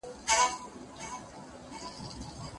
نن مې د عقل په ويښتو کې څوک وهي لاسونه